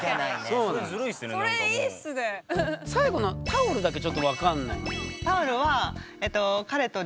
最後の「タオル」だけちょっと分かんない。